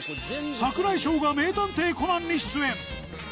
櫻井翔が名探偵コナンに出演。